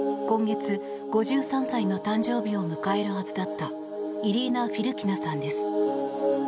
今月、５３歳の誕生日を迎えるはずだったイリーナ・フィルキナさんです。